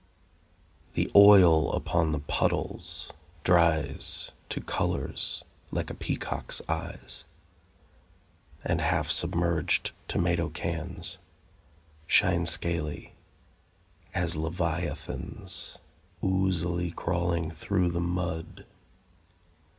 The oil upon the puddles dries To colours like a peacock's eyes, And half submerged tomato cans Shine scaly, as leviathans Oozily crawling through the mud.